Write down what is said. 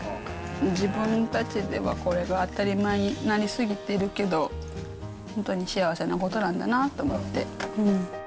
自分たちではこれが当たり前になり過ぎてるけど、本当に幸せなことなんだなと思って。